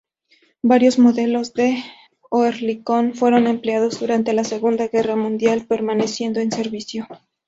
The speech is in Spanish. Varios modelos del Oerlikon fueron empleados durante la Segunda Guerra Mundial, permaneciendo en servicio.